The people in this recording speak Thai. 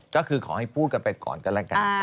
ก็คือขอให้พูดกันไปก่อนก็แล้วกัน